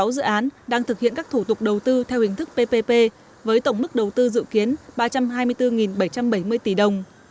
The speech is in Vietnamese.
một trăm sáu mươi sáu dự án đang thực hiện các thủ tục đầu tư theo hình thức ppp với tổng mức đầu tư dự kiến ba trăm hai mươi bốn bảy trăm bảy mươi tỷ đồng